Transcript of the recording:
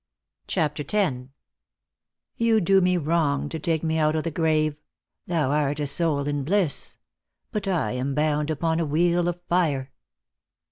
CHAPTEE X. " You do me wrong to take me out o' the grave. Thou art a soul in bliss ; but I am bound Upon a wheel of fire."